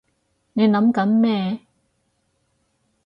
你諗緊咩？